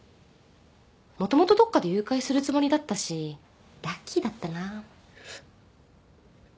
もともとどっかで誘拐するつもりだったしラッキーだったな。